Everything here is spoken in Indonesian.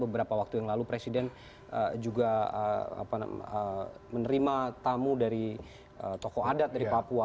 beberapa waktu yang lalu presiden juga menerima tamu dari tokoh adat dari papua